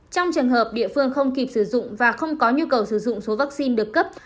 trong trường hợp địa phương không kịp sử dụng và không có nhu cầu sử dụng số vaccine được cấp